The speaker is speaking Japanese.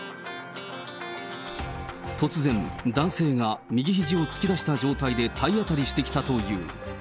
突然、男性が右ひじを突き出した状態で体当たりしてきたという。